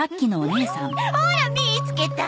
ほら見つけた。